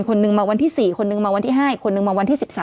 คนนึงมาวันที่๔คนนึงมาวันที่๕อีกคนนึงมาวันที่๑๓